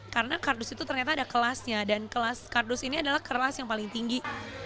karena kardus itu ternyata ada kelasnya dan kelas kardus ini adalah kelas yang paling tinggi